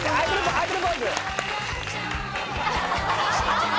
アイドルポーズ！